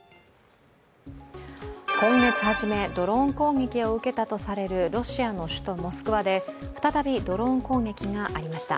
今月初めドローン攻撃を受けたとされるロシアの首都モスクワで再びドローン攻撃がありました。